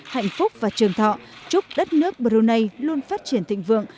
hạnh phúc và trường thọ chúc đất nước brunei luôn phát triển thịnh vượng